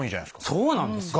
そうなんですよ。